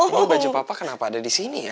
lalu baju papa kenapa ada di sini ya